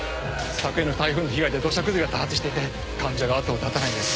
「昨夜の台風の被害で土砂崩れが多発していて患者が後を絶たないんです」